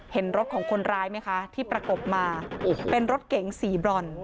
เห็นรถของคนร้ายไหมคะที่ประกบมาโอ้โหเป็นรถเก๋งสีบรอน